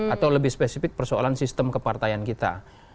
atau lebih spesifik persoalan sistem kepartaian kita